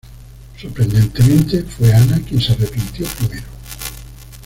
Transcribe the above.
Sorprendentemente, fue Ana quien se arrepintió primero.